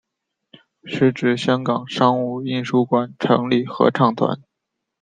时值香港商务印书馆成立合唱团。